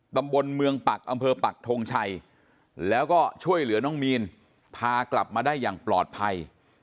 ตำบลเมืองปักอำเภอปักทงชัยแล้วก็ช่วยเหลือน้องมีนพากลับมาได้อย่างปลอดภัย